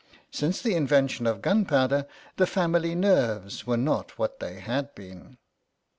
Since the invention of gunpowder the family nerves were not what they had been.